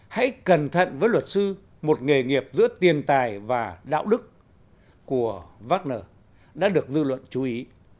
hãy cẩn thận với luật sư một nghề nghiệp giữa tiền tài và đạo đức của vác nờ đã được dư luận chú ý